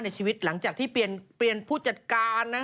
ชีวิตหลังจากที่เปลี่ยนผู้จัดการนะ